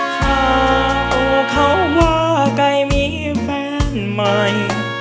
ข่าวเขาว่าไก่มีแฟนใหม่